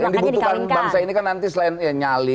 yang dibutuhkan bangsa ini kan nanti selain nyali